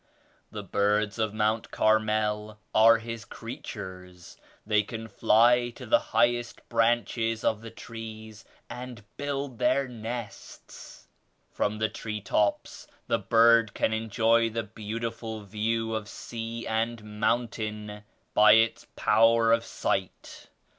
The birds of Mount Carmel are His creatures. They can fly to the highest branches of the trees and build their nests. From the tree tops the bird can enjoy the beau tiful view of sea and mountain by its power of sight.